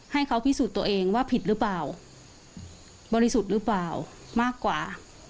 ให้เขาพิสูจน์ตัวเองว่าผิดหรือเปล่าบริสุทธิ์หรือเปล่ามากกว่า